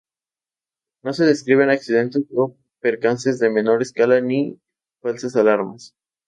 No se describen accidentes o percances de menor escala ni falsas alarmas.